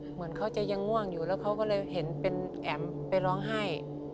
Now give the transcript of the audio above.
เหมือนเขาจะยังง่วงอยู่แล้วเขาก็เลยเห็นเป็นแอ๋มไปร้องไห้